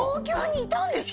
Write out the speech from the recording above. いたんです